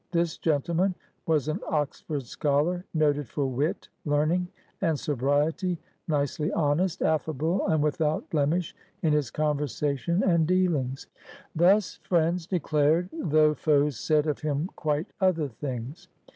" This gentleman was an Oxford scholar, noted for '"wit, learning, and sobriety ... nicely honest, afiFable, 170 PIONEERS OF THE OLD SOUTH and without blemish in his conversation and deal ings." Thus friends declared, though foes said of him quite other things.